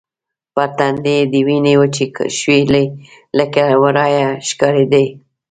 پر تندي يې د وینې وچې شوې لکې له ورایه ښکارېدې.